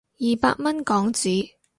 二百蚊港紙